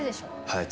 はい。